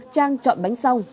trang chọn bánh xong